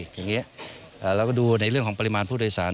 เราก็ดูในเรื่องของปริมาณผู้โดยสาร